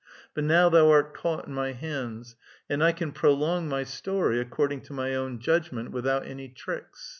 But now thou art caught in my hands, and I can prolong my story, according to my own judgment, without any tiicks.